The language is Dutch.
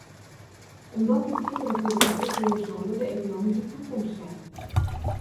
Omdat die kinderen voor de ontwikkelingslanden de economische toekomst zijn.